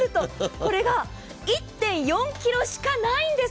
これが１．４ｋｇしかないんです。